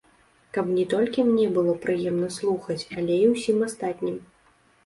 Каб не толькі мне было прыемна слухаць, але і ўсім астатнім.